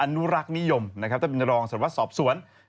อนุรักษ์นิยมต้นบินรองสรวจสอบสวน